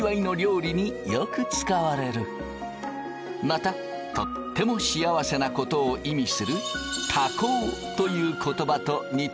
またとっても幸せなことを意味する多幸という言葉と似ている。